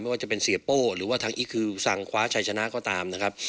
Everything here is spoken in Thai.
ว่าจะเป็นเสียโป้หรือว่าทางอีคคือสั่งคว้าชัยชนะก็ตามนะครับ